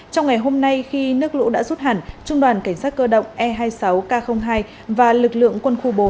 trong ngày hôm nay khi nước lũ đã rút hẳn trung đoàn cảnh sát cơ động e hai mươi sáu k hai và lực lượng quân khu bốn